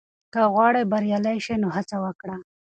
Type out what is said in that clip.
که غواړې بریالی شې، نو هڅه وکړه.